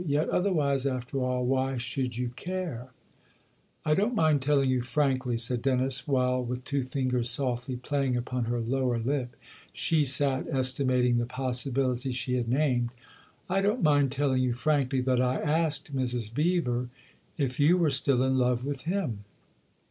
Yet otherwise, after all, why should you care ?" THE OTHER HOUSE 213 " I don't mind telling you frankly," said Dennis, while, with two fingers softly playing upon her lower lip, she sat estimating the possibility she had named " I don't mind telling you frankly that I asked Mrs. Beever if you were still in love with him."